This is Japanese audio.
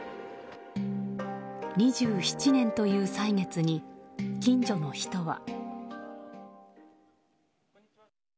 ２７年という歳月に近所の人は。